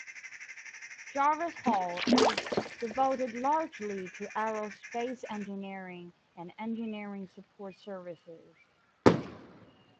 Jarvis Hall is devoted largely to Aerospace Engineering and engineering support services.